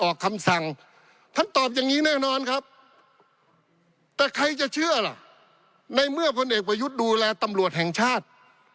ใครจะเชื่อล่ะในเมื่อผลเอกตัวยุทธ์ดูแลตำรวจแห่งชาติ